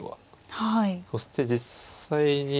そして実際に。